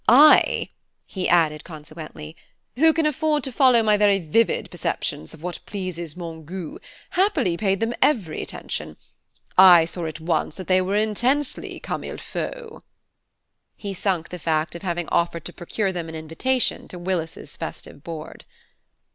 I," he added consequently, "who can afford to follow my very vivid perceptions of what pleases mon goût, happily paid them every attention. I saw at once that they were intensely comme il faut." He sunk the fact of having offered to procure them an invitation to Willis's festive board.